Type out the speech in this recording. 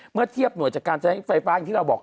เมื่อเทียบหน่วยจากการใช้ไฟฟ้าอย่างที่เราบอก